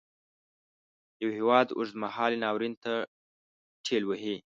یو هیواد اوږد مهالي ناورین ته ټېل وهي.